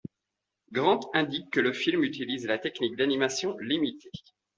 Grant indique que le film utilise la technique d'animation limitée.